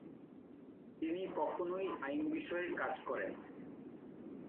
তিনি কখনই আইন বিষয়ে কাজ করেন।